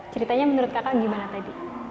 ceritanya menurut kakak gimana tadi